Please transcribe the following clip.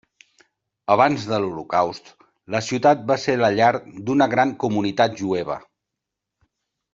Abans de l'Holocaust, la ciutat va ser la llar d'una gran comunitat jueva.